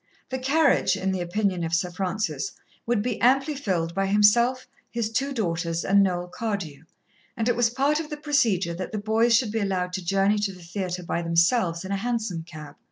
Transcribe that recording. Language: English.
The carriage, in the opinion of Sir Francis, would be amply filled by himself, his two daughters and Noel Cardew, and it was part of the procedure that the boys should be allowed to journey to the theatre by themselves in a hansom cab.